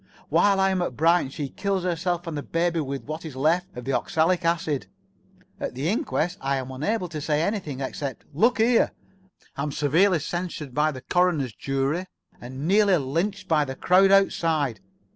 While I am at Brighton she kills herself and the baby with what is left of the oxalic acid. At the inquest I am unable to say anything except 'Look here,' am severely censured by the coroner's jury, and nearly lynched by the crowd outside.